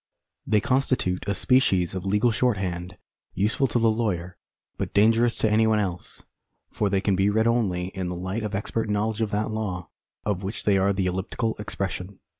They constitute a species of legal shorthand, useful to the lawyer, but dangerous to any one else ; for they can be read only in the light of expert knowledge of that law of which they are the elliptical expression.